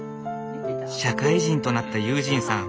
社会人となった悠仁さん。